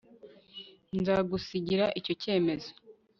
nzagusigira icyo cyemezo